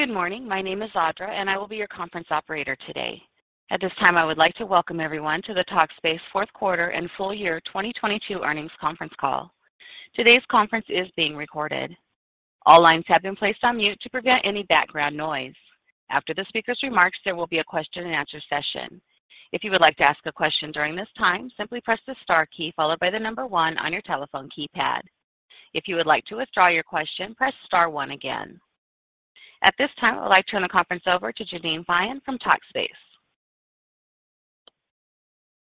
Good morning. My name is Audra. I will be your conference operator today. At this time, I would like to welcome everyone to the Talkspace Q4 and full year 2022 earnings conference call. Today's conference is being recorded. All lines have been placed on mute to prevent any background noise. After the speaker's remarks, there will be a question-and-answer session. If you would like to ask a question during this time, simply press the star key followed by one on your telephone keypad. If you would like to withdraw your question, press star one again. At this time, I would like to turn the conference over to Jeannine Feyen from Talkspace.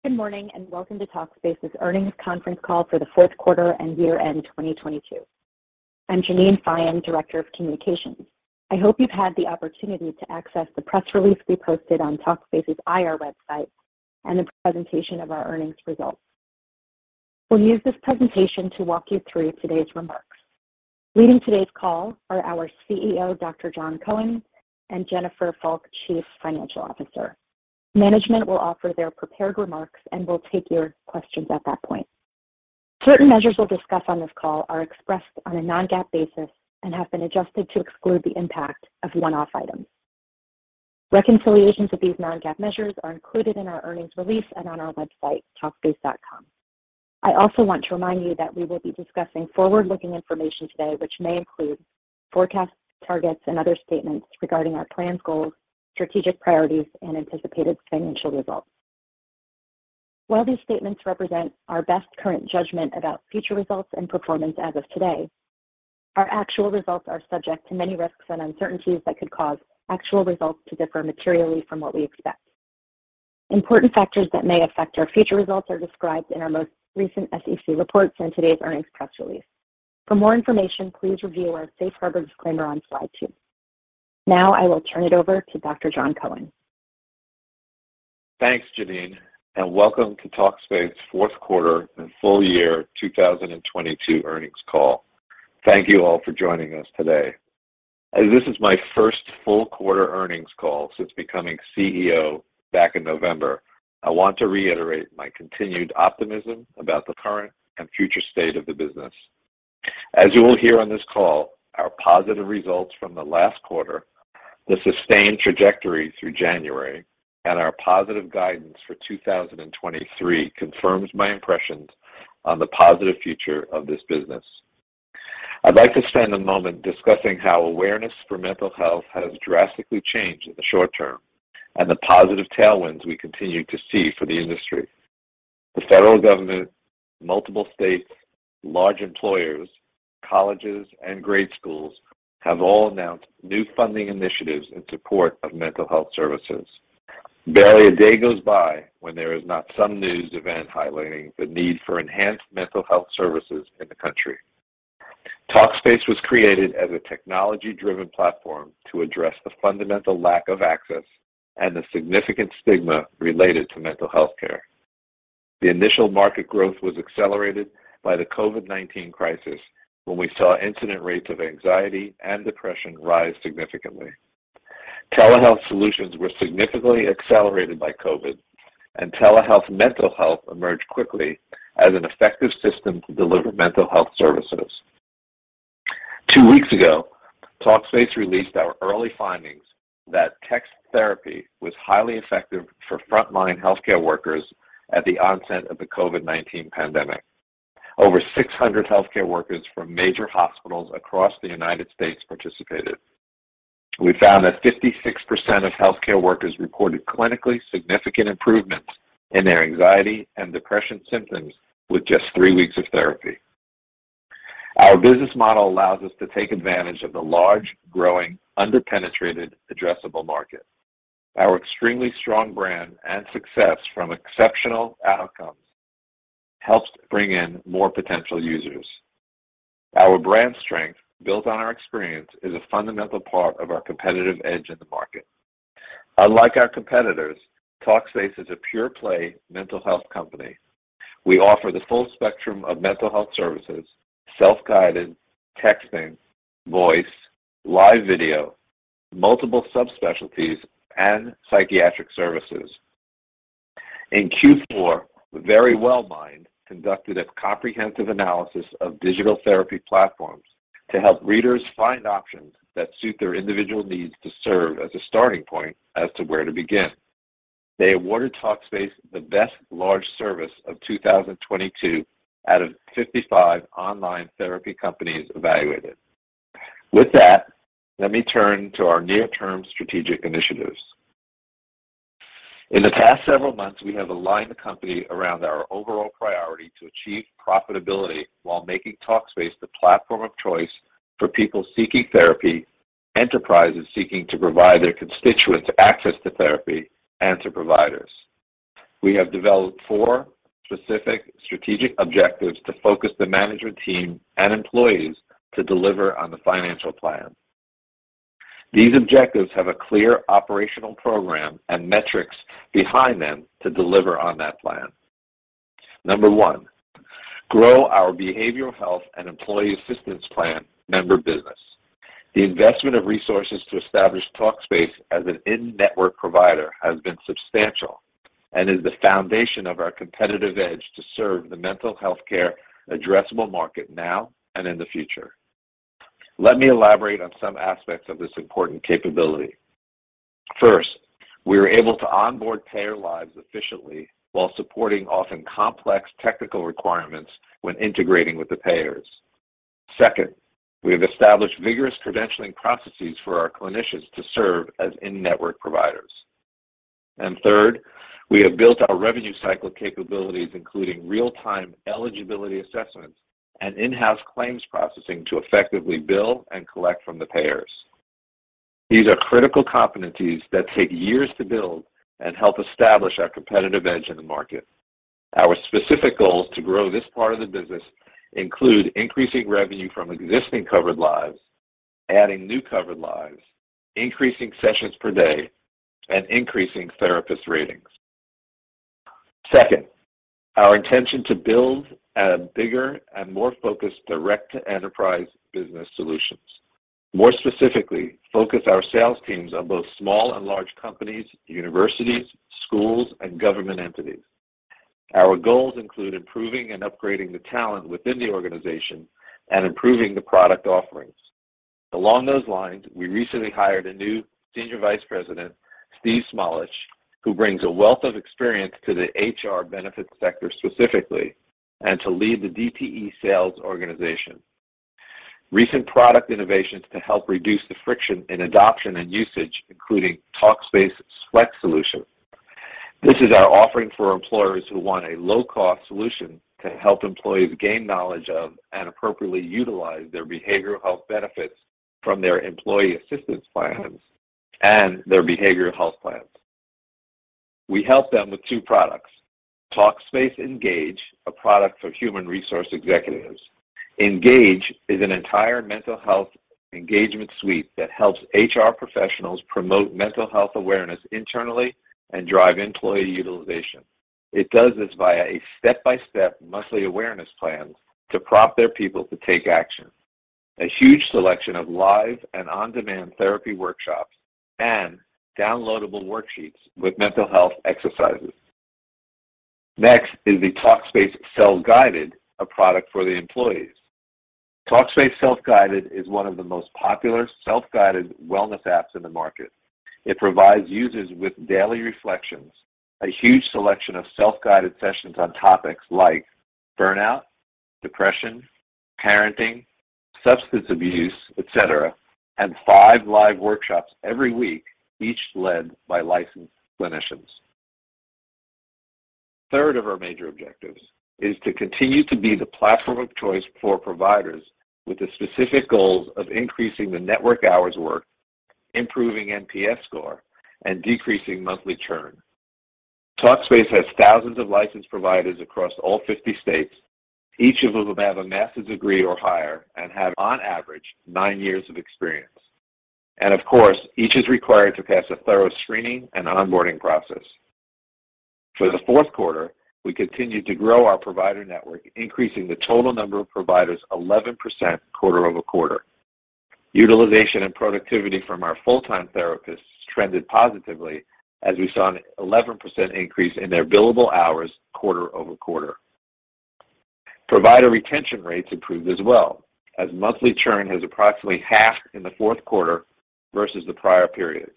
Good morning and welcome to Talkspace's earnings conference call for the Q4 and year-end 2022. I'm Jeannine Feyen, Director of Communications. I hope you've had the opportunity to access the press release we posted on Talkspace's IR website and the presentation of our earnings results. We'll use this presentation to walk you through today's remarks. Leading today's call are our CEO, Dr. Jon Cohen, and Jennifer Fulk, Chief Financial Officer. Management will offer their prepared remarks, and we'll take your questions at that point. Certain measures we'll discuss on this call are expressed on a non-GAAP basis and have been adjusted to exclude the impact of one-off items. Reconciliations of these non-GAAP measures are included in our earnings release and on our website, talkspace.com. I also want to remind you that we will be discussing forward-looking information today, which may include forecasts, targets, and other statements regarding our plans, goals, strategic priorities, and anticipated financial results. While these statements represent our best current judgment about future results and performance as of today, our actual results are subject to many risks and uncertainties that could cause actual results to differ materially from what we expect. Important factors that may affect our future results are described in our most recent SEC reports and today's earnings press release. For more information, please review our safe harbor disclaimer on slide two. I will turn it over to Dr. Jon Cohen. Thanks, Jeannine, and welcome to Talkspace Q4 and full year 2022 earnings call. Thank you all for joining us today. As this is my first full quarter earnings call since becoming CEO back in November, I want to reiterate my continued optimism about the current and future state of the business. As you will hear on this call, our positive results from the last quarter, the sustained trajectory through January, and our positive guidance for 2023 confirms my impressions on the positive future of this business. I'd like to spend a moment discussing how awareness for mental health has drastically changed in the short term and the positive tailwinds we continue to see for the industry. The federal government, multiple states, large employers, colleges, and grade schools have all announced new funding initiatives in support of mental health services. Barely a day goes by when there is not some news event highlighting the need for enhanced mental health services in the country. Talkspace was created as a technology-driven platform to address the fundamental lack of access and the significant stigma related to mental health care. The initial market growth was accelerated by the COVID-19 crisis when we saw incident rates of anxiety and depression rise significantly. Telehealth solutions were significantly accelerated by COVID, and telehealth mental health emerged quickly as an effective system to deliver mental health services. Two weeks ago, Talkspace released our early findings that text therapy was highly effective for frontline healthcare workers at the onset of the COVID-19 pandemic. Over 600 healthcare workers from major hospitals across the United States participated. We found that 56% of healthcare workers reported clinically significant improvements in their anxiety and depression symptoms with just three weeks of therapy. Our business model allows us to take advantage of the large, growing, under-penetrated addressable market. Our extremely strong brand and success from exceptional outcomes helps bring in more potential users. Our brand strength, built on our experience, is a fundamental part of our competitive edge in the market. Unlike our competitors, Talkspace is a pure-play mental health company. We offer the full spectrum of mental health services, self-guided, texting, voice, live video, multiple subspecialties, and psychiatric services. In Q4, Verywell Mind conducted a comprehensive analysis of digital therapy platforms to help readers find options that suit their individual needs to serve as a starting point as to where to begin. They awarded Talkspace the best large service of 2022 out of 55 online therapy companies evaluated. With that, let me turn to our near-term strategic initiatives. In the past several months, we have aligned the company around our overall priority to achieve profitability while making Talkspace the platform of choice for people seeking therapy, enterprises seeking to provide their constituents access to therapy, and to providers. We have developed four specific strategic objectives to focus the management team and employees to deliver on the financial plan. These objectives have a clear operational program and metrics behind them to deliver on that plan. Number one, grow our behavioral health and employee assistance plan member business. The investment of resources to establish Talkspace as an in-network provider has been substantial. Is the foundation of our competitive edge to serve the mental health care addressable market now and in the future. Let me elaborate on some aspects of this important capability. First, we are able to onboard payer lives efficiently while supporting often complex technical requirements when integrating with the payers. Second, we have established vigorous credentialing processes for our clinicians to serve as in-network providers. Third, we have built our revenue cycle capabilities, including real-time eligibility assessments and in-house claims processing to effectively bill and collect from the payers. These are critical competencies that take years to build and help establish our competitive edge in the market. Our specific goals to grow this part of the business include increasing revenue from existing covered lives, adding new covered lives, increasing sessions per day, and increasing therapist ratings. Second, our intention to build a bigger and more focused direct-to-enterprise business solutions. More specifically, focus our sales teams on both small and large companies, universities, schools, and government entities. Our goals include improving and upgrading the talent within the organization and improving the product offerings. Along those lines, we recently hired a new Senior Vice President, Steve Smallidge, who brings a wealth of experience to the HR benefits sector specifically, and to lead the DTE sales organization. Recent product innovations to help reduce the friction in adoption and usage, including Talkspace Flex solution. This is our offering for employers who want a low-cost solution to help employees gain knowledge of and appropriately utilize their behavioral health benefits from their employee assistance plans and their behavioral health plans. We help them with two products. Talkspace Engage, a product for human resource executives. Engage is an entire mental health engagement suite that helps HR professionals promote mental health awareness internally and drive employee utilization. It does this via a step-by-step monthly awareness plans to prompt their people to take action. A huge selection of live and on-demand therapy workshops and downloadable worksheets with mental health exercises. The Talkspace Self-Guided, a product for the employees. Talkspace Self-Guided is one of the most popular self-guided wellness apps in the market. It provides users with daily reflections, a huge selection of self-guided sessions on topics like burnout, depression, parenting, substance abuse, et cetera, and five live workshops every week, each led by licensed clinicians. Third of our major objectives is to continue to be the platform of choice for providers with the specific goals of increasing the network hours worked, improving NPS score, and decreasing monthly churn. Talkspace has thousands of licensed providers across all 50 states, each of whom have a master's degree or higher and have on average nine years of experience. Of course, each is required to pass a thorough screening and onboarding process. For the Q4, we continued to grow our provider network, increasing the total number of providers 11% quarter-over-quarter. Utilization and productivity from our full-time therapists trended positively as we saw an 11% increase in their billable hours quarter-over-quarter. Provider retention rates improved as well as monthly churn has approximately halved in the Q4 versus the prior periods.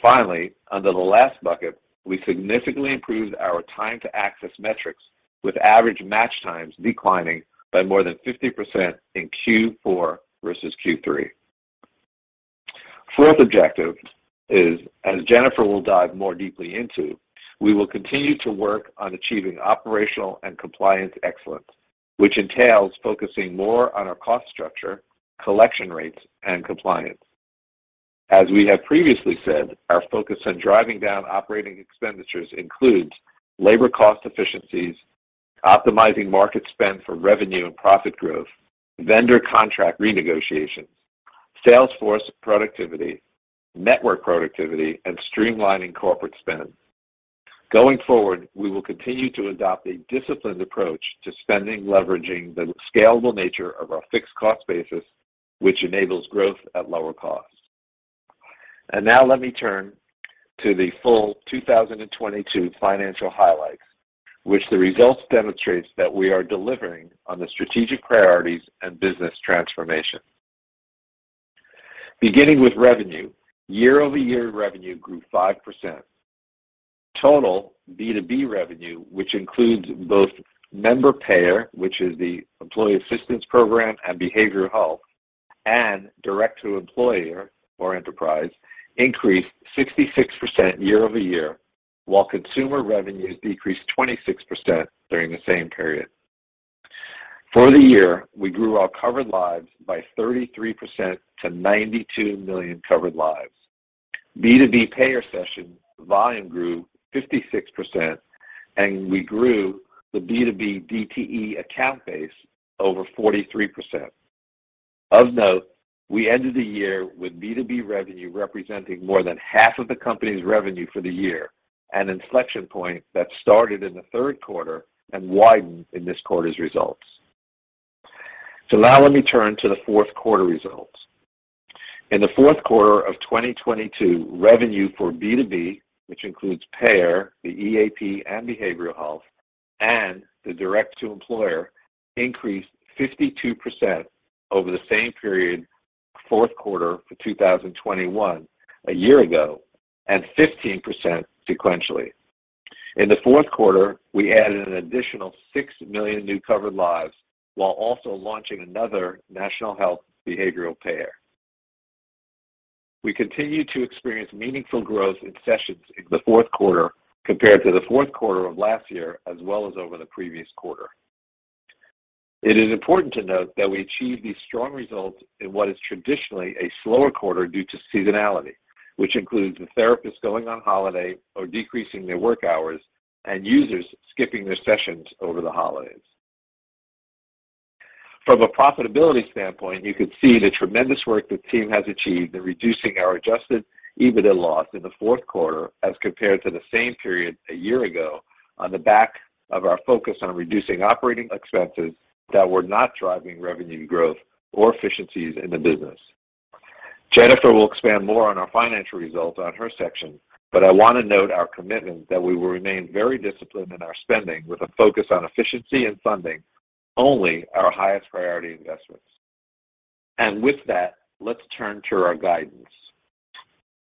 Finally, under the last bucket, we significantly improved our time to access metrics with average match times declining by more than 50% in Q4 versus Q3. Fourth objective is, as Jennifer will dive more deeply into, we will continue to work on achieving operational and compliance excellence, which entails focusing more on our cost structure, collection rates, and compliance. As we have previously said, our focus on driving down operating expenditures includes labor cost efficiencies, optimizing market spend for revenue and profit growth, vendor contract renegotiation, sales force productivity, network productivity, and streamlining corporate spend. Going forward, we will continue to adopt a disciplined approach to spending, leveraging the scalable nature of our fixed cost basis, which enables growth at lower costs. Now let me turn to the full 2022 financial highlights, which the results demonstrates that we are delivering on the strategic priorities and business transformation. Beginning with revenue, year-over-year revenue grew 5%. Total B2B revenue, which includes both member payer, which is the employee assistance program and behavioral health, and direct to employer or enterprise, increased 66% year-over-year, while consumer revenues decreased 26% during the same period. For the year, we grew our covered lives by 33% to 92 million covered lives. B2B payer session volume grew 56%, and we grew the B2B DTE account base over 43%. Of note, we ended the year with B2B revenue representing more than half of the company's revenue for the year, an inflection point that started in the Q3 and widened in this quarter's results. Now let me turn to the Q4 results. In the Q4 of 2022, revenue for B2B, which includes payer, the EAP and behavioral health, and the direct-to-employer, increased 52% over the same period Q4 for 2021 a year ago, and 15% sequentially. In the Q4, we added an additional 6 million new covered lives while also launching another national health behavioral payer. We continue to experience meaningful growth in sessions in the Q4 compared to the Q4 of last year, as well as over the previous quarter. It is important to note that we achieved these strong results in what is traditionally a slower quarter due to seasonality, which includes the therapists going on holiday or decreasing their work hours and users skipping their sessions over the holidays. From a profitability standpoint, you could see the tremendous work the team has achieved in reducing our adjusted EBITDA loss in the Q4 as compared to the same period a year ago on the back of our focus on reducing operating expenses that were not driving revenue growth or efficiencies in the business. Jennifer will expand more on our financial results on her section, but I wanna note our commitment that we will remain very disciplined in our spending with a focus on efficiency and funding only our highest priority investments. With that, let's turn to our guidance.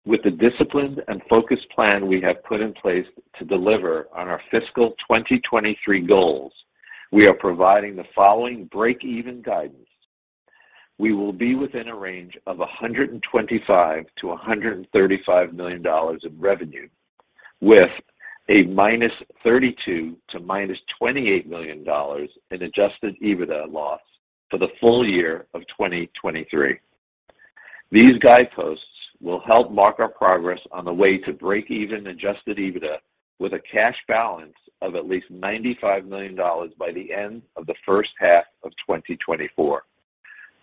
With the disciplined and focused plan we have put in place to deliver on our fiscal 2023 goals, we are providing the following break-even guidance. We will be within a range of $125 million-$135 million of revenue with a $-32 million -$-28 million in adjusted EBITDA loss for the full year of 2023. These guideposts will help mark our progress on the way to break-even adjusted EBITDA with a cash balance of at least $95 million by the end of the first half of 2024.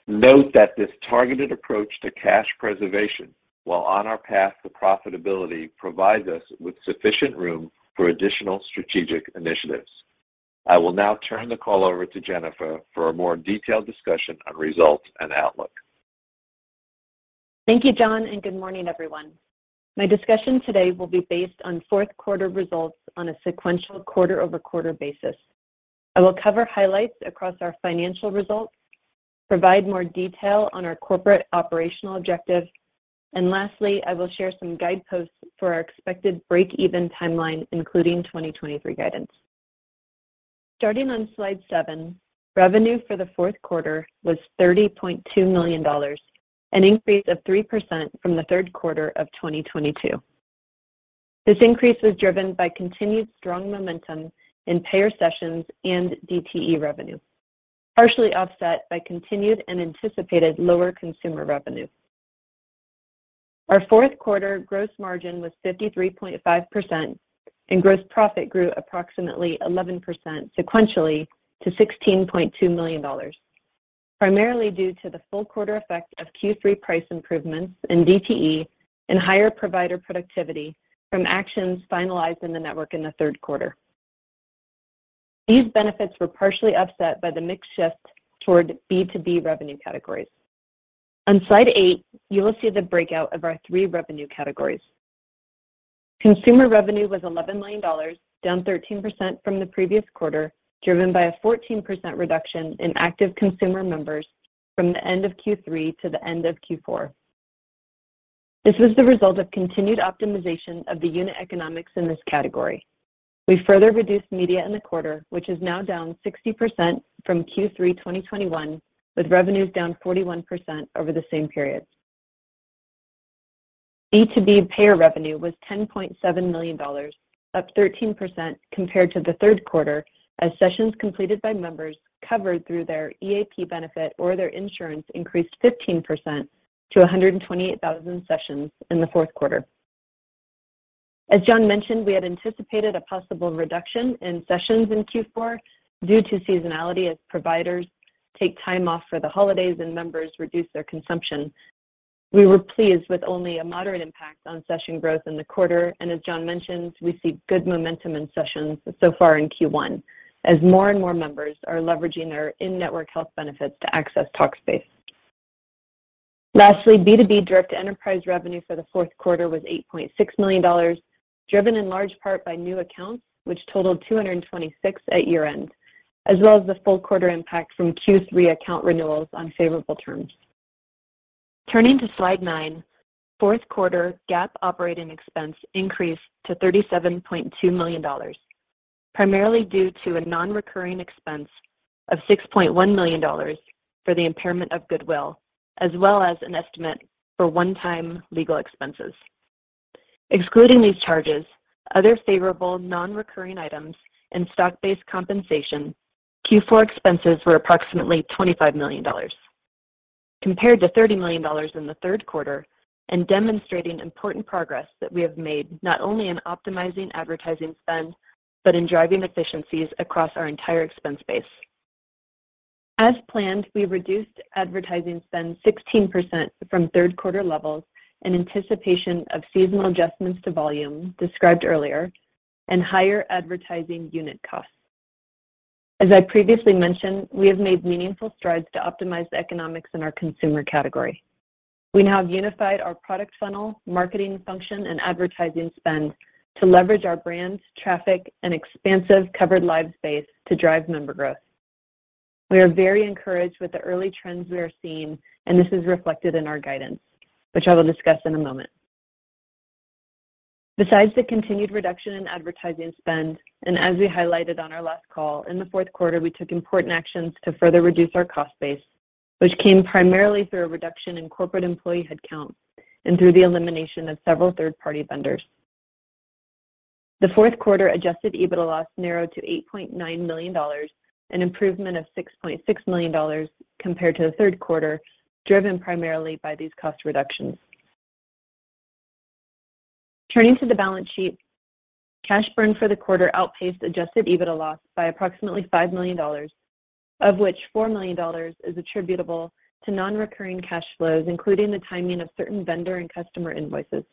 Note that this targeted approach to cash preservation while on our path to profitability provides us with sufficient room for additional strategic initiatives. I will now turn the call over to Jennifer for a more detailed discussion on results and outlook. Thank you, Jon. Good morning, everyone. My discussion today will be based on Q4 results on a sequential quarter-over-quarter basis. I will cover highlights across our financial results, provide more detail on our corporate operational objectives, and lastly, I will share some guideposts for our expected break-even timeline, including 2023 guidance. Starting on slide seven, revenue for the Q4 was $30.2 million, an increase of 3% from the Q3 of 2022. This increase was driven by continued strong momentum in payer sessions and DTE revenue, partially offset by continued and anticipated lower consumer revenue. Our Q4 gross margin was 53.5%, gross profit grew approximately 11% sequentially to $16.2 million, primarily due to the full quarter effect of Q3 price improvements in DTE and higher provider productivity from actions finalized in the network in the Q3. These benefits were partially offset by the mix shift toward B2B revenue categories. On slide eight, you will see the breakout of our three revenue categories. Consumer revenue was $11 million, down 13% from the previous quarter, driven by a 14% reduction in active consumer members from the end of Q3 to the end of Q4. This was the result of continued optimization of the unit economics in this category. We further reduced media in the quarter which is now down 60% from Q3 2021, with revenues down 41% over the same period. B2B payer revenue was $10.7 million, up 13% compared to the Q3 as sessions completed by members covered through their EAP benefit or their insurance increased 15% to 128,000 sessions in the Q4. As Jon mentioned, we had anticipated a possible reduction in sessions in Q4 due to seasonality as providers take time off for the holidays and members reduce their consumption. We were pleased with only a moderate impact on session growth in the quarter. As Jon mentioned, we see good momentum in sessions so far in Q1 as more and more members are leveraging their in-network health benefits to access Talkspace. B2B direct enterprise revenue for the Q4 was $8.6 million, driven in large part by new accounts, which totaled 226 at year-end, as well as the full quarter impact from Q3 account renewals on favorable terms. Turning to slide nine, Q4 GAAP operating expense increased to $37.2 million, primarily due to a non-recurring expense of $6.1 million for the impairment of goodwill, as well as an estimate for one-time legal expenses. Excluding these charges, other favorable non-recurring items, and stock-based compensation, Q4 expenses were approximately $25 million compared to $30 million in the Q3 and demonstrating important progress that we have made not only in optimizing advertising spend, but in driving efficiencies across our entire expense base. As planned, we reduced advertising spend 16% from Q3 levels in anticipation of seasonal adjustments to volume described earlier. Higher advertising unit costs. As I previously mentioned, we have made meaningful strides to optimize the economics in our consumer category. We now have unified our product funnel, marketing function, and advertising spend to leverage our brands, traffic, and expansive covered live space to drive member growth. We are very encouraged with the early trends we are seeing, and this is reflected in our guidance, which I will discuss in a moment. Besides the continued reduction in advertising spend, and as we highlighted on our last call, in the Q4, we took important actions to further reduce our cost base, which came primarily through a reduction in corporate employee headcount and through the elimination of several third-party vendors. The Q4 adjusted EBITDA loss narrowed to $8.9 million, an improvement of $6.6 million compared to the Q3, driven primarily by these cost reductions. Turning to the balance sheet, cash burn for the quarter outpaced adjusted EBITDA loss by approximately $5 million, of which $4 million is attributable to non-recurring cash flows, including the timing of certain vendor and customer invoices.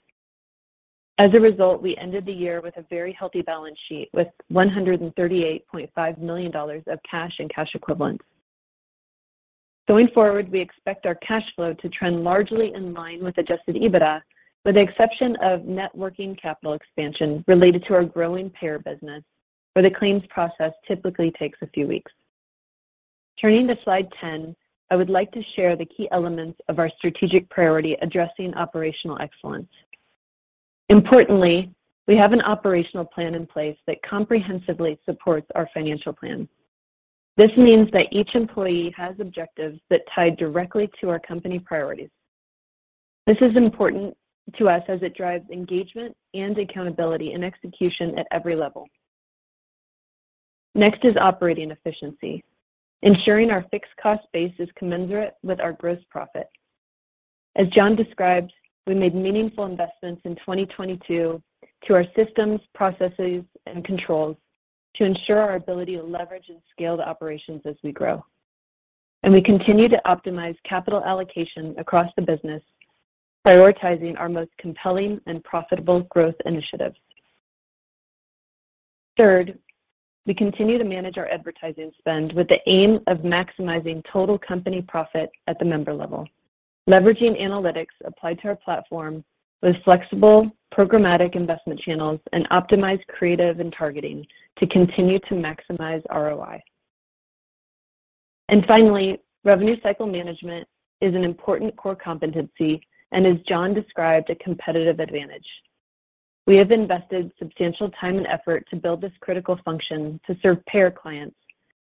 As a result, we ended the year with a very healthy balance sheet with $138.5 million of cash and cash equivalents. Going forward, we expect our cash flow to trend largely in line with adjusted EBITDA, with the exception of net working capital expansion related to our growing payer business, where the claims process typically takes a few weeks. Turning to slide 10, I would like to share the key elements of our strategic priority addressing operational excellence. Importantly, we have an operational plan in place that comprehensively supports our financial plan. This means that each employee has objectives that tie directly to our company priorities. This is important to us as it drives engagement and accountability and execution at every level. Next is operating efficiency, ensuring our fixed cost base is commensurate with our gross profit. As Jon described, we made meaningful investments in 2022 to our systems, processes, and controls to ensure our ability to leverage and scale the operations as we grow. We continue to optimize capital allocation across the business, prioritizing our most compelling and profitable growth initiatives. We continue to manage our advertising spend with the aim of maximizing total company profit at the member level, leveraging analytics applied to our platform with flexible programmatic investment channels and optimized creative and targeting to continue to maximize ROI. Finally, revenue cycle management is an important core competency and, as Jon described, a competitive advantage. We have invested substantial time and effort to build this critical function to serve payer clients,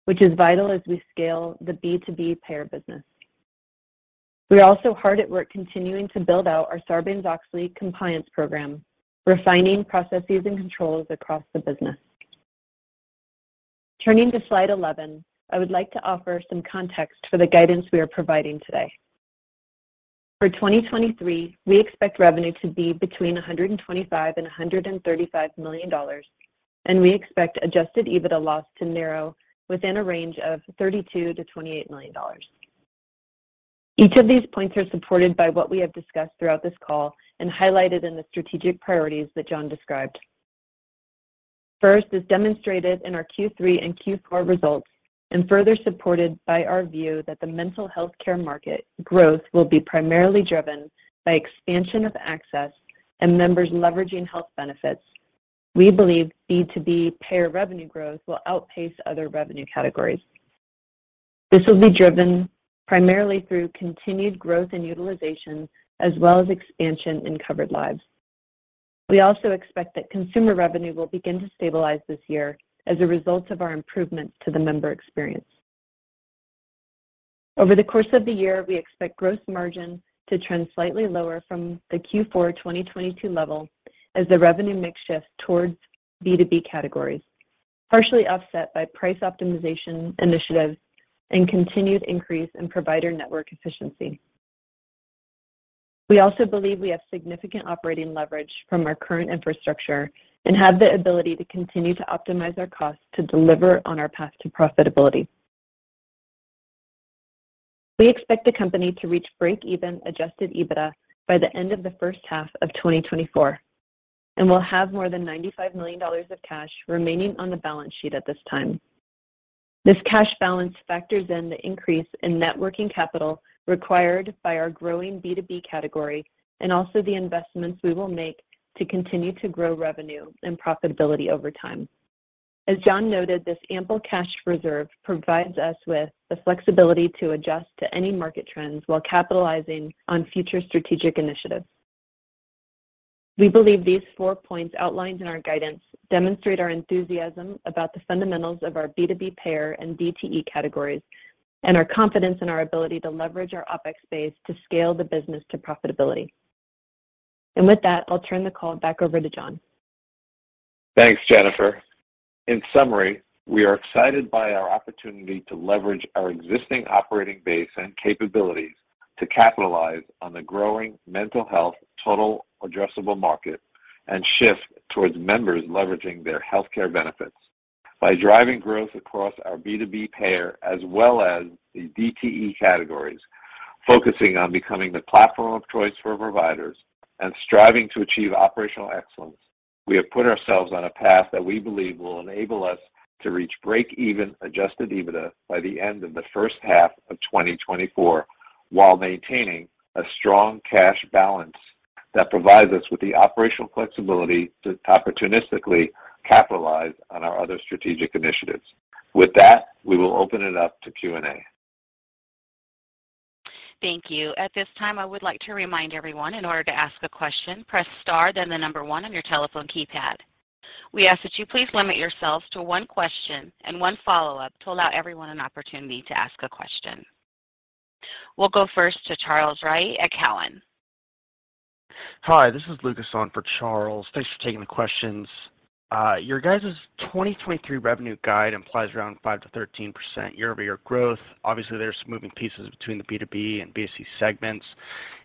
which is vital as we scale the B2B payer business. We are also hard at work continuing to build out our Sarbanes-Oxley compliance program, refining processes and controls across the business. Turning to slide 11, I would like to offer some context for the guidance we are providing today. For 2023, we expect revenue to be between $125 million and $135 million, we expect adjusted EBITDA loss to narrow within a range of $32 million-$28 million. Each of these points are supported by what we have discussed throughout this call and highlighted in the strategic priorities that Jon described. First is demonstrated in our Q3 and Q4 results and further supported by our view that the mental health care market growth will be primarily driven by expansion of access and members leveraging health benefits. We believe B2B payer revenue growth will outpace other revenue categories. This will be driven primarily through continued growth in utilization as well as expansion in covered lives. We also expect that consumer revenue will begin to stabilize this year as a result of our improvements to the member experience. Over the course of the year, we expect gross margin to trend slightly lower from the Q4 2022 level as the revenue mix shifts towards B2B categories, partially offset by price optimization initiatives and continued increase in provider network efficiency. We also believe we have significant operating leverage from our current infrastructure and have the ability to continue to optimize our costs to deliver on our path to profitability. We expect the company to reach break-even adjusted EBITDA by the end of the first half of 2024, and we'll have more than $95 million of cash remaining on the balance sheet at this time. This cash balance factors in the increase in net working capital required by our growing B2B category and also the investments we will make to continue to grow revenue and profitability over time. As Jon noted, this ample cash reserve provides us with the flexibility to adjust to any market trends while capitalizing on future strategic initiatives. We believe these four points outlined in our guidance demonstrate our enthusiasm about the fundamentals of our B2B payer and DTE categories and our confidence in our ability to leverage our OpEx base to scale the business to profitability. With that, I'll turn the call back over to Jon. Thanks, Jennifer. In summary, we are excited by our opportunity to leverage our existing operating base and capabilities to capitalize on the growing mental health total addressable market and shift towards members leveraging their healthcare benefits. By driving growth across our B2B payer as well as the DTE categories, focusing on becoming the platform of choice for providers and striving to achieve operational excellence, we have put ourselves on a path that we believe will enable us to reach break-even adjusted EBITDA by the end of the first half of 2024, while maintaining a strong cash balance that provides us with the operational flexibility to opportunistically capitalize on our other strategic initiatives. With that, we will open it up to Q&A. Thank you. At this time, I would like to remind everyone in order to ask a question, press star, then the one on your telephone keypad. We ask that you please limit yourselves to one question and one follow-up to allow everyone an opportunity to ask a question. We'll go first to Charles Rhyee at Cowen. Hi, this is Lukas on for Charles. Thanks for taking the questions. Your guys's 2023 revenue guide implies around 5%-13% year-over-year growth. Obviously, there's some moving pieces between the B2B and B2C segments.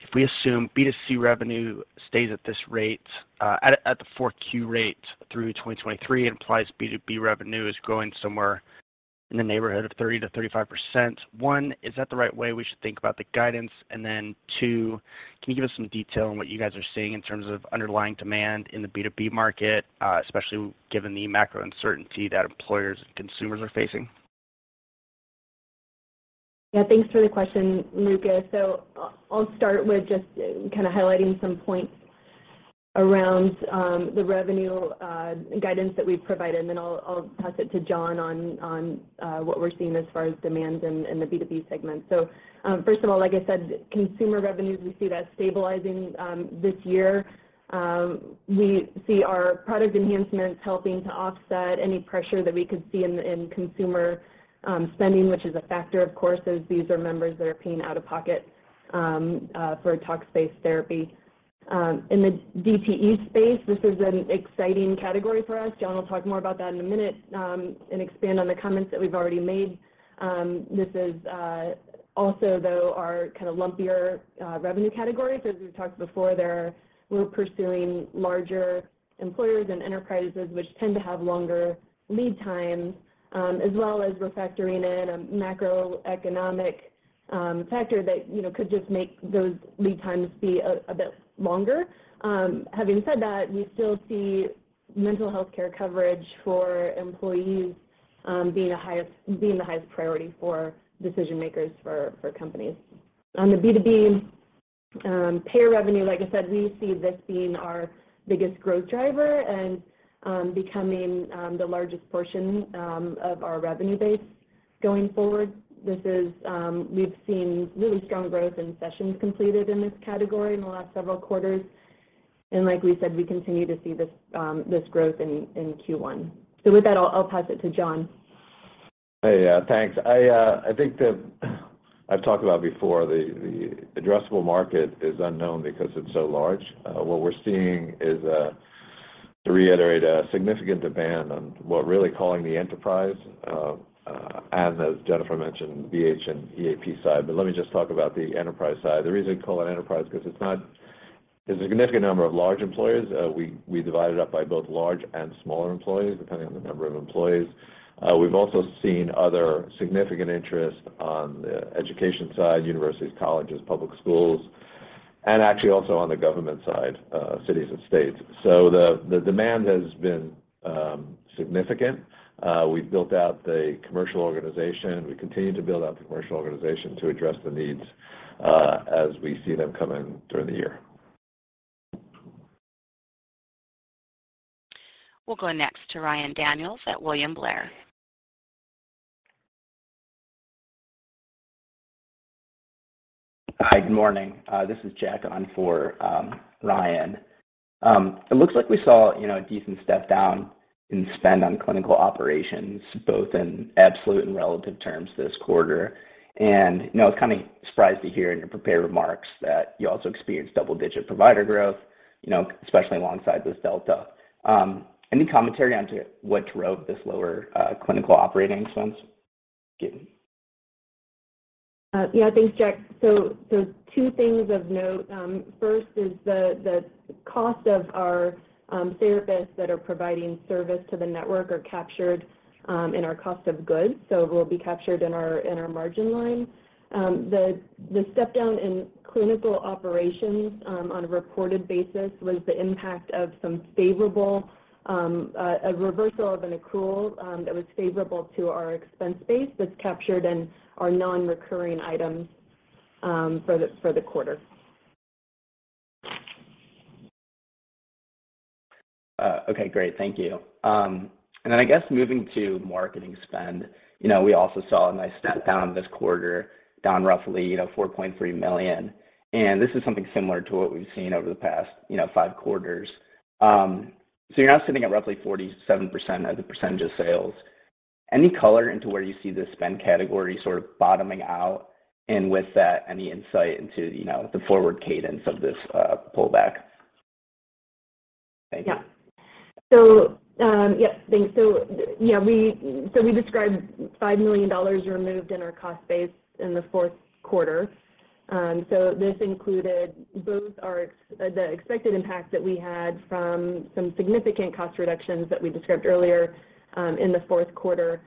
If we assume B2C revenue stays at this rate, at the Q4 rate through 2023, it implies B2B revenue is growing somewhere in the neighborhood of 30%-35%. One, is that the right way we should think about the guidance? Two, can you give us some detail on what you guys are seeing in terms of underlying demand in the B2B market, especially given the macro uncertainty that employers and consumers are facing? Yeah, thanks for the question, Lucas. I'll start with just kind of highlighting some points around the revenue guidance that we've provided, and then I'll pass it to Jon on what we're seeing as far as demand in the B2B segment. First of all, like I said, consumer revenues, we see that stabilizing this year. We see our product enhancements helping to offset any pressure that we could see in consumer spending, which is a factor, of course, as these are members that are paying out-of-pocket for Talkspace therapy. In the DTE space, this is an exciting category for us. Jon will talk more about that in a minute and expand on the comments that we've already made. This is also, though, our kind of lumpier revenue category. As we've talked before, we're pursuing larger employers and enterprises which tend to have longer lead times, as well as we're factoring in a macroeconomic factor that, you know, could just make those lead times be a bit longer. Having said that, we still see mental health care coverage for employees being the highest priority for decision-makers for companies. On the B2B payer revenue, like I said, we see this being our biggest growth driver and becoming the largest portion of our revenue base going forward. This is, we've seen really strong growth in sessions completed in this category in the last several quarters. Like we said, we continue to see this growth in Q1. With that, I'll pass it to Jon. Hey. Yeah, thanks. I think that I've talked about before the addressable market is unknown because it's so large. What we're seeing is, to reiterate, a significant demand on what we're really calling the enterprise, and as Jennifer mentioned, BH and EAP side. Let me just talk about the enterprise side. The reason we call it enterprise, 'cause there's a significant number of large employers. We, we divide it up by both large and smaller employers, depending on the number of employees. We've also seen other significant interest on the education side, universities, colleges, public schools, and actually also on the government side, cities and states. The, the demand has been significant. We've built out the commercial organization. We continue to build out the commercial organization to address the needs, as we see them come in during the year. We'll go next to Ryan Daniels at William Blair. Hi. Good morning. This is Jack on for Ryan. It looks like we saw, you know, a decent step down in spend on clinical operations, both in absolute and relative terms this quarter. You know, I was kind of surprised to hear in your prepared remarks that you also experienced double-digit provider growth, you know, especially alongside this delta. Any commentary onto what drove this lower, clinical operating expense? Yeah. Thanks, Jack. Two things of note. First is the cost of our therapists that are providing service to the network are captured in our cost of goods, so it will be captured in our margin line. The step down in clinical operations on a reported basis was the impact of some favorable a reversal of an accrual that was favorable to our expense base that's captured in our non-recurring items for the quarter. Okay, great. Thank you. I guess moving to marketing spend, you know, we also saw a nice step down this quarter, down roughly, you know, $4.3 million. This is something similar to what we've seen over the past, you know, five quarters. You're now sitting at roughly 47% as a percentage of sales. Any color into where you see the spend category sort of bottoming out? With that, any insight into, you know, the forward cadence of this, pullback? Thank you. Yeah. Thanks. You know, we described $5 million removed in our cost base in the Q4. This included both our expected impact that we had from some significant cost reductions that we described earlier in the Q4.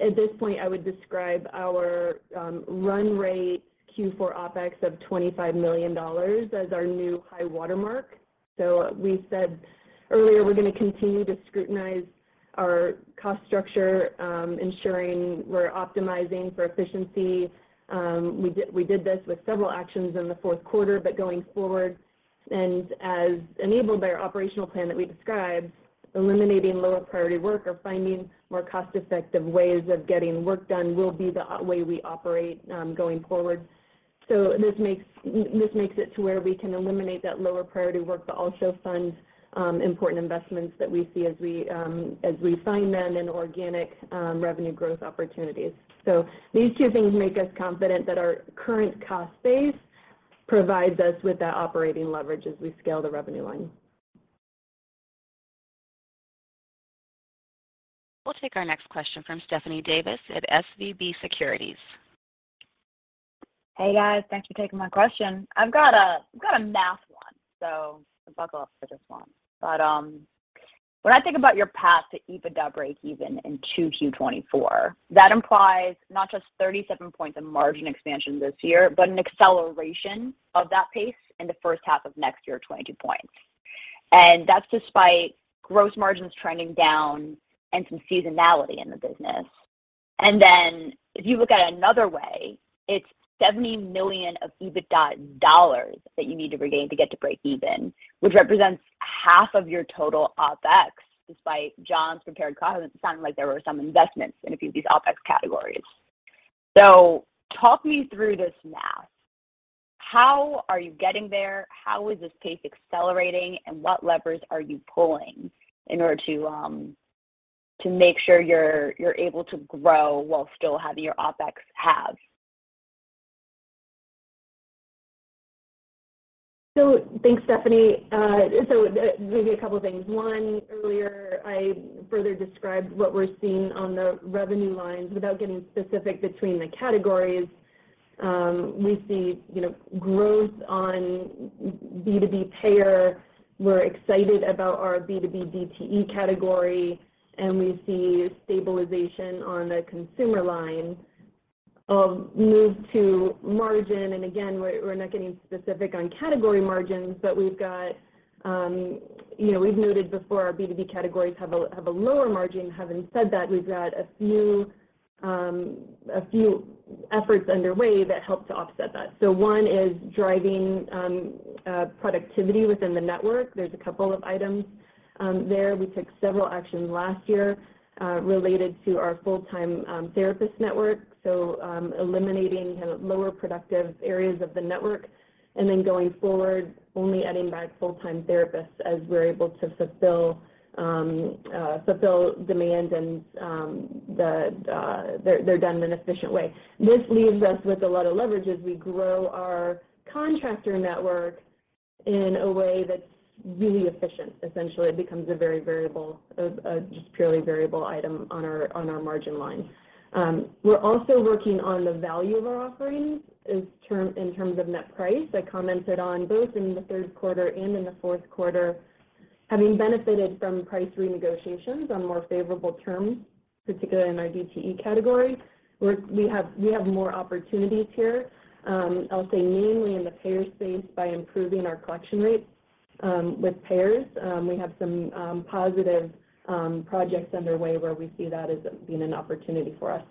At this point, I would describe our run rate Q4 OpEx of $25 million as our new high watermark. We said earlier, we're gonna continue to scrutinize our cost structure, ensuring we're optimizing for efficiency. We did this with several actions in the Q4, but going forward, and as enabled by our operational plan that we described, eliminating lower priority work or finding more cost-effective ways of getting work done will be the way we operate going forward. This makes it to where we can eliminate that lower priority work, but also fund important investments that we see as we, as we find them in organic revenue growth opportunities. These two things make us confident that our current cost base provides us with that operating leverage as we scale the revenue line. We'll take our next question from Stephanie Davis at SVB Securities. Hey, guys. Thanks for taking my question. I've got a math one, so buckle up for this one. When I think about your path to EBITDA breakeven in 2Q 2024, that implies not just 37 points in margin expansion this year, but an acceleration of that pace in the first half of next year, 22 points. That's despite gross margins trending down and some seasonality in the business. If you look at it another way, it's $70 million of EBITDA dollars that you need to regain to get to break even, which represents half of your total OpEx, despite Jon's prepared comments sounding like there were some investments in a few of these OpEx categories. Talk me through this math. How are you getting there? How is this pace accelerating, and what levers are you pulling in order to make sure you're able to grow while still having your OpEx halve? Thanks, Stephanie. Maybe a couple of things. One, earlier I further described what we're seeing on the revenue lines without getting specific between the categories. We see, you know, growth on B2B payer. We're excited about our B2B DTE category, and we see stabilization on the consumer line of move to margin. Again, we're not getting specific on category margins, but we've got, you know, we've noted before our B2B categories have a lower margin. Having said that, we've got a few efforts underway that help to offset that. One is driving productivity within the network. There's a couple of items there. We took several actions last year related to our full-time therapist network. Eliminating kind of lower productive areas of the network and then going forward, only adding back full-time therapists as we're able to fulfill demand and they're done in an efficient way. This leaves us with a lot of leverage as we grow our contractor network in a way that's really efficient. Essentially, it becomes a very variable, just purely variable item on our margin line. We're also working on the value of our offerings in terms of net price. I commented on both in the Q3 and in the Q4, having benefited from price renegotiations on more favorable terms, particularly in our DTE category. We have more opportunities here, I'll say mainly in the payer space by improving our collection rates with payers. We have some positive projects underway where we see that as being an opportunity for us.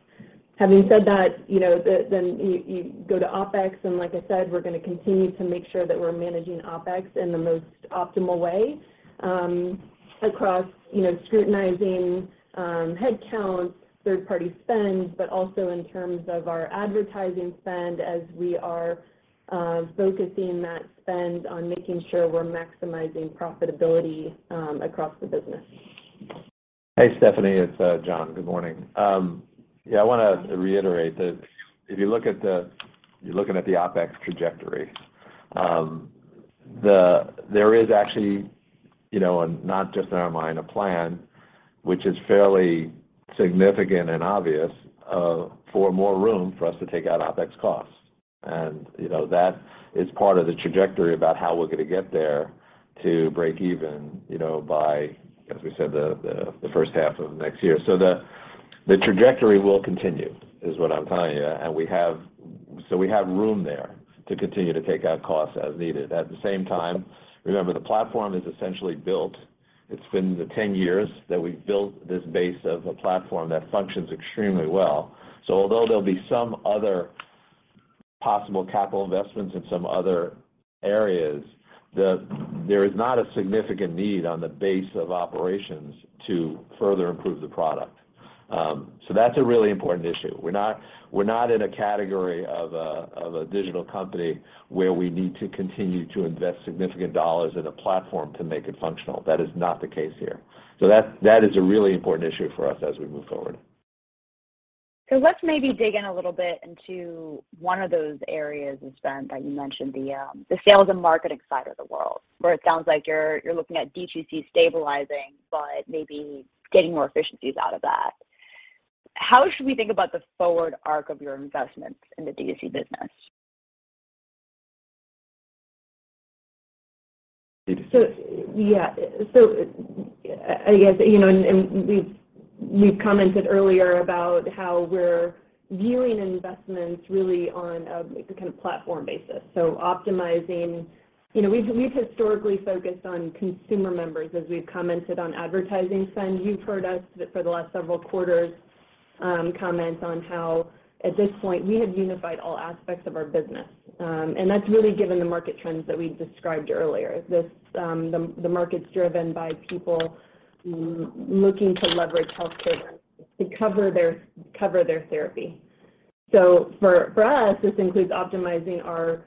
Having said that, you know, then you go to OpEx and like I said, we're gonna continue to make sure that we're managing OpEx in the most optimal way, across, you know, scrutinizing headcounts, third-party spend, but also in terms of our advertising spend as we are focusing that spend on making sure we're maximizing profitability across the business. Hey, Stephanie. It's Jon. Good morning. Yeah, I wanna reiterate that if you look at the OpEx trajectory, there is actually, you know, and not just in our mind, a plan which is fairly significant and obvious, for more room for us to take out OpEx costs. You know, that is part of the trajectory about how we're gonna get there to break even, you know, by, as we said, the first half of next year. The trajectory will continue, is what I'm telling you. We have room there to continue to take out costs as needed. At the same time, remember, the platform is essentially built. It's been the 10 years that we've built this base of a platform that functions extremely well. Although there'll be some other possible capital investments in some other areas, there is not a significant need on the base of operations to further improve the product. That's a really important issue. We're not in a category of a digital company where we need to continue to invest significant dollars in a platform to make it functional. That is not the case here. That is a really important issue for us as we move forward. Let's maybe dig in a little bit into one of those areas of spend that you mentioned, the sales and marketing side of the world, where it sounds like you're looking at D2C stabilizing, but maybe getting more efficiencies out of that. How should we think about the forward arc of your investments in the DTC business? I guess, you know, and we've commented earlier about how we're viewing investments really on a kind of platform basis. Optimizing. You know, we've historically focused on consumer members as we've commented on advertising spend. You've heard us for the last several quarters comment on how at this point we have unified all aspects of our business. That's really given the market trends that we described earlier. This, the market's driven by people looking to leverage healthcare benefits to cover their therapy. For us, this includes optimizing our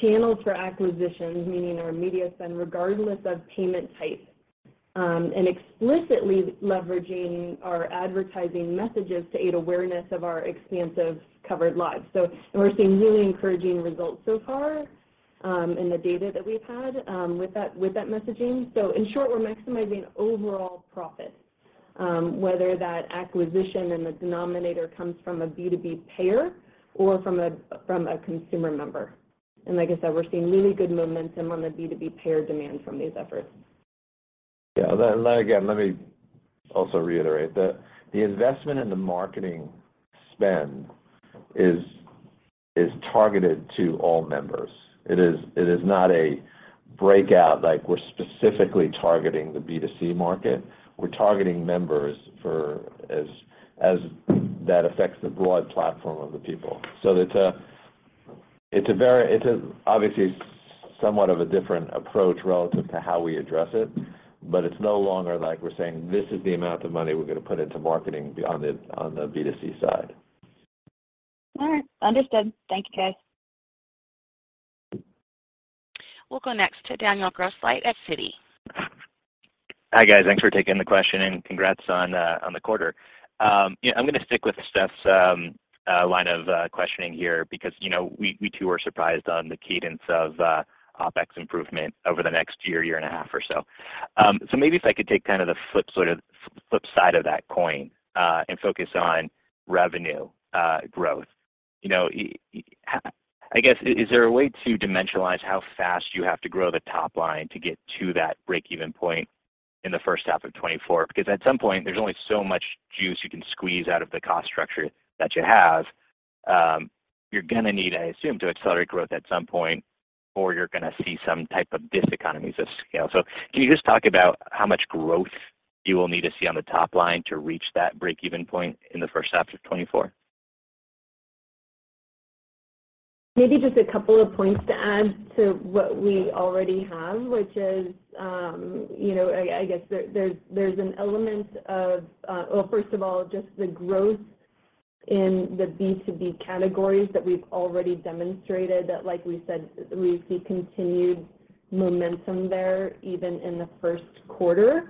channels for acquisitions, meaning our media spend regardless of payment type, and explicitly leveraging our advertising messages to aid awareness of our expansive covered lives. We're seeing really encouraging results so far in the data that we've had with that messaging. In short, we're maximizing overall profit, whether that acquisition and the denominator comes from a B2B payer or from a consumer member. Like I said, we're seeing really good momentum on the B2B payer demand from these efforts. Yeah. Let me also reiterate that the investment in the marketing spend is targeted to all members. It is not a breakout, like we're specifically targeting the B2C market. We're targeting members for as that affects the broad platform of the people. It's a very, obviously somewhat of a different approach relative to how we address it, but it's no longer like we're saying, "This is the amount of money we're gonna put into marketing on the, on the B2C side. All right. Understood. Thank you, guys. We'll go next to Daniel Grosslight at Citi. Hi, guys. Thanks for taking the question, and congrats on the quarter. Yeah, I'm gonna stick with Steph's line of questioning here because, you know, we too were surprised on the cadence of OpEx improvement over the next year and a half or so. Maybe if I could take kind of the flip, sort of flip side of that coin, and focus on revenue growth. You know, I guess, is there a way to dimensionalize how fast you have to grow the top line to get to that break-even point in the first half of 2024? Because at some point there's only so much juice you can squeeze out of the cost structure that you have. You're gonna need, I assume, to accelerate growth at some point or you're gonna see some type of diseconomies of scale. Can you just talk about how much growth you will need to see on the top line to reach that break-even point in the first half of 2024? Maybe just a couple of points to add to what we already have, which is, you know, I guess there's, there's an element of, well, first of all, just the growth in the B2B categories that we've already demonstrated that, like we said, we see continued momentum there even in the Q1.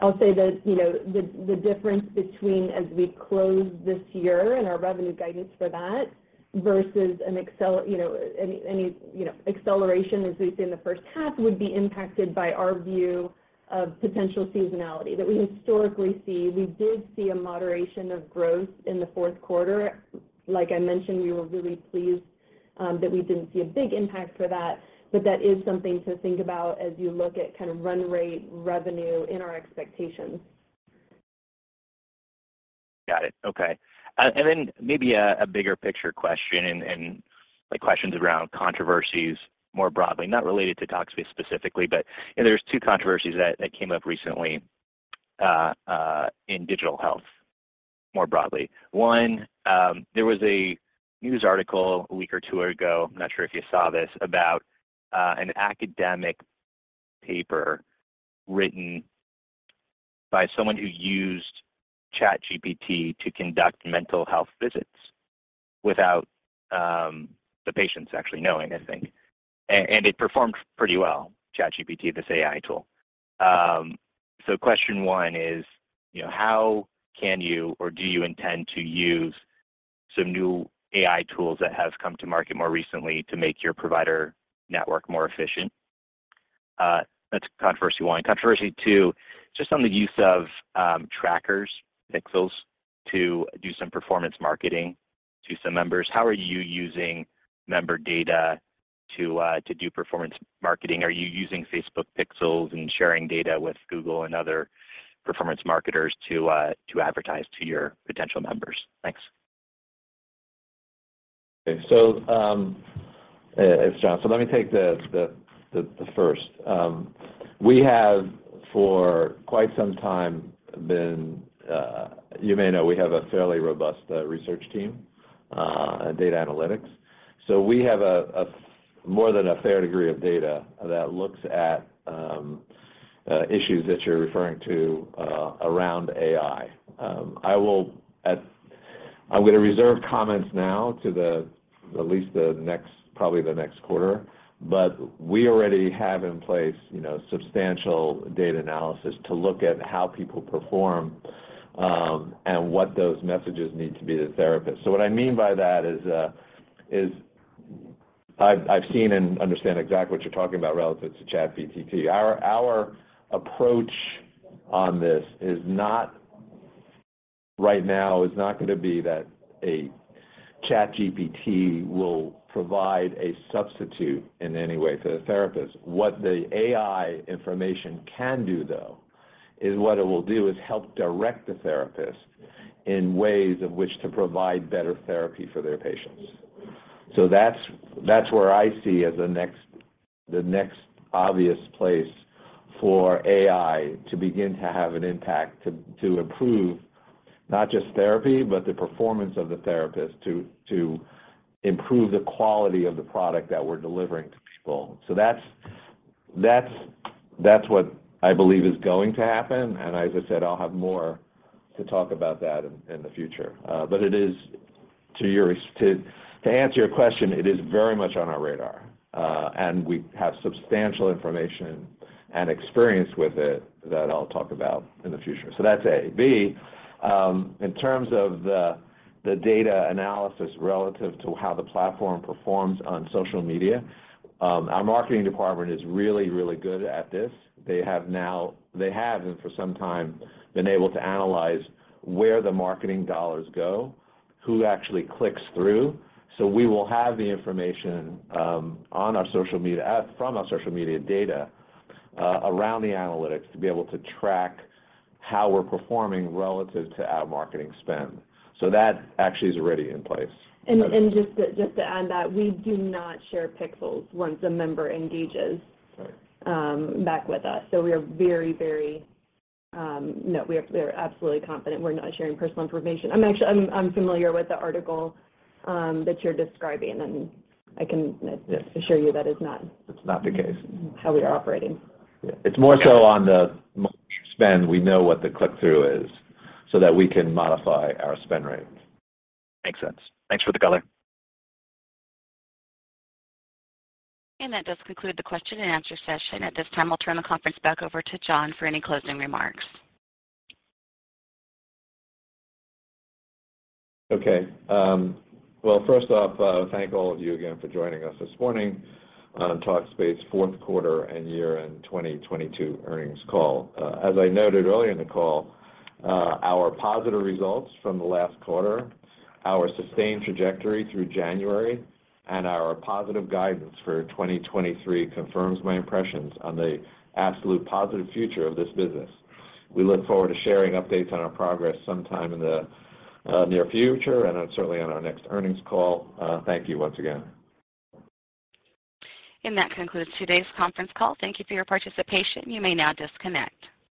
I'll say that, you know, the difference between as we close this year and our revenue guidance for that versus any, you know, acceleration as we see in the first half would be impacted by our view of potential seasonality that we historically see. We did see a moderation of growth in the Q4. Like I mentioned, we were really pleased that we didn't see a big impact for that. That is something to think about as you look at kind of run rate revenue in our expectations. Got it. Okay. Then maybe a bigger picture question and like questions around controversies more broadly, not related to Talkspace specifically, but, you know, there's two controversies that came up recently, in digital health more broadly. One, there was a news article a week or two ago, I'm not sure if you saw this, about an academic paper written by someone who used ChatGPT to conduct mental health visits without the patients actually knowing, I think. It performed pretty well, ChatGPT, this AI tool. Question one is, you know, how can you or do you intend to use some new AI tools that have come to market more recently to make your provider network more efficient? That's controversy one. Controversy two, just on the use of trackers, pixels to do some performance marketing to some members. How are you using member data to do performance marketing? Are you using Facebook pixels and sharing data with Google and other performance marketers to advertise to your potential members? Thanks. Okay. It's Jon. Let me take the first. We have for quite some time been, you may know, we have a fairly robust research team, data analytics. We have a more than a fair degree of data that looks at issues that you're referring to around AI. I will reserve comments now to the, at least the next, probably the next quarter, but we already have in place, you know, substantial data analysis to look at how people perform and what those messages need to be to therapists. What I mean by that is I've seen and understand exactly what you're talking about relative to ChatGPT. Our approach on this right now is not gonna be that a ChatGPT will provide a substitute in any way for the therapist. What the AI information can do though, is what it will do is help direct the therapist in ways of which to provide better therapy for their patients. That's where I see as the next obvious place for AI to begin to have an impact, to improve not just therapy, but the performance of the therapist to improve the quality of the product that we're delivering to people. That's what I believe is going to happen. As I said, I'll have more to talk about that in the future. It is to answer your question, it is very much on our radar, and we have substantial information and experience with it that I'll talk about in the future. That's A. B. In terms of the data analysis relative to how the platform performs on social media, our marketing department is really, really good at this. They have and for some time been able to analyze where the marketing dollars go, who actually clicks through. We will have the information on our social media from our social media data around the analytics to be able to track how we're performing relative to our marketing spend. That actually is already in place. Just to add that we do not share pixels once a member engages. Right. Back with us. We are very, very. No. We're absolutely confident we're not sharing personal information. I'm actually familiar with the article that you're describing. Yes. -assure you that is not- That's not the case. -how we are operating. It's more so on the spend. We know what the click-through is so that we can modify our spend rate. Makes sense. Thanks for the color. That does conclude the question and answer session. At this time, I'll turn the conference back over to Jon for any closing remarks. Okay. Well, first off, thank all of you again for joining us this morning on Talkspace Q4 and year-end 2022 earnings call. As I noted earlier in the call, our positive results from the last quarter, our sustained trajectory through January, and our positive guidance for 2023 confirms my impressions on the absolute positive future of this business. We look forward to sharing updates on our progress sometime in the near future, and certainly on our next earnings call. Thank you once again. That concludes today's conference call. Thank you for your participation. You may now disconnect.